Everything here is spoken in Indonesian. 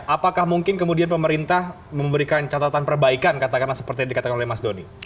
apakah mungkin kemudian pemerintah memberikan catatan perbaikan katakanlah seperti yang dikatakan oleh mas doni